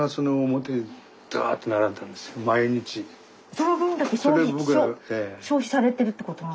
その分だけ消費されてるってことなんですか？